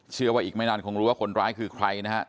เชื่อว่าอีกไม่นานคงรู้ว่าคนร้ายคือใครนะฮะ